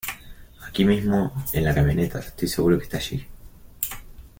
Aquí mismo en la camioneta. Estoy seguro que está allí .